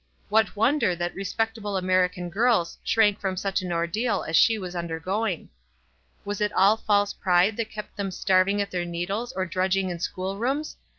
What wonder that respectable American girls shrank from such an ordeal as she was undergoing. Was it all false pride that kept them starving at their needles, or drudging in school rooms?